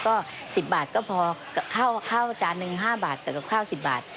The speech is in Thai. ก็๑๐บาทก็พอข้าวจานหนึ่ง๕บาทกับข้าว๑๐บาท